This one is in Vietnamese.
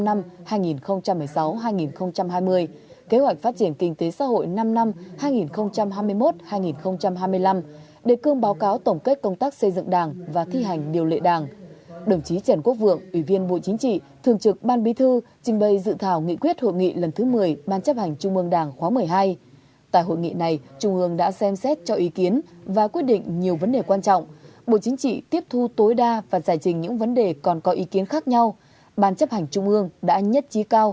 thủ tướng nguyễn xuân phúc đã chỉ bày báo cáo tóm tắt tiếp thu và giải trình ý kiến của trung ương thảo luận ở tổ về đề cương báo cáo chính trị đề cương báo cáo một mươi năm thực hiện chiến lược phát triển kinh tế xã hội một mươi năm hai nghìn hai mươi một hai nghìn ba mươi và báo cáo tổng kết thực hiện chiến lược phát triển kinh tế xã hội một mươi năm hai nghìn hai mươi một hai nghìn ba mươi